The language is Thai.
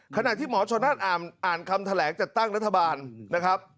ขณะที่หมอชนนั่นอ่านคำแถลงจัดตั้งรัฐบาลนะครับ